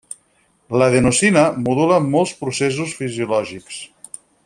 L'adenosina modula molts processos fisiològics.